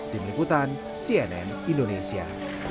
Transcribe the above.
di meliputan cnn indonesia